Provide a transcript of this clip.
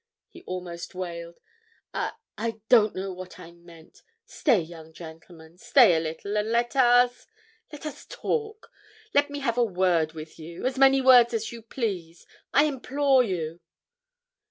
he almost wailed. "I—I don't know what I meant. Stay, young gentleman, stay a little, and let us—let us talk. Let me have a word with you—as many words as you please. I implore you!"